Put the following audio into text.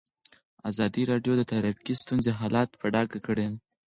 ازادي راډیو د ټرافیکي ستونزې حالت په ډاګه کړی.